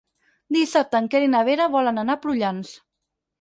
Dissabte en Quer i na Vera volen anar a Prullans.